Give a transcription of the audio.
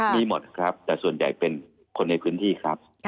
มีหมดครับแต่ส่วนใหญ่เป็นคนในพื้นที่ครับ